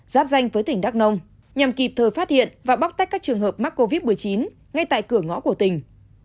giáp danh với tỉnh đắk nông nhằm kịp thời phát hiện và bóc tách các trường hợp mắc covid một mươi chín ngay tại cửa ngõ của tỉnh